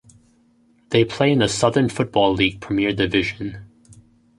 They play in the Southern Football League Premier Division.